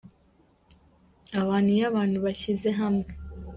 abantu Iyo abantu bishyize hamwe.